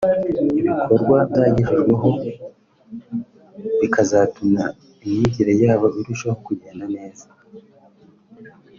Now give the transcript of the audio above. ibikorwa bagejejweho bikazatuma imyigire yabo irushaho kugenda neza